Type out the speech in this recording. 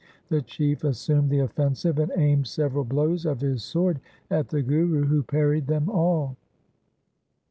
The Chief assumed the offensive and aimed several blows of his sword at the Guru, who parried them all.